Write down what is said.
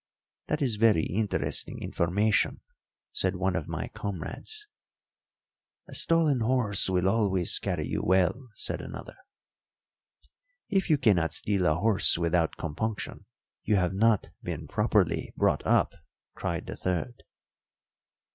"That is very interesting information," said one of my comrades. "A stolen horse will always carry you well," said another. "If you cannot steal a horse without compunction, you have not been properly brought up," cried the third.